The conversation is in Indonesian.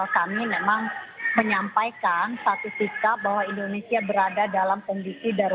kami memang menyampaikan satu sikap bahwa indonesia berada dalam kondisi darurat